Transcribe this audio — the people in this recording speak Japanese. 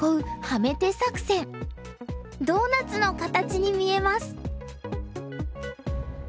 ドーナツの形に見えます。